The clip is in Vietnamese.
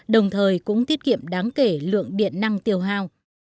đồng thời cũng tiết kiệm đáng kể lượng điện năng tiêu hào